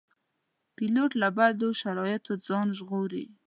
پیلوټ له بدو شرایطو ځان ژغوري.